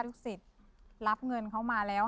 ลูกศิษย์รับเงินเขามาแล้ว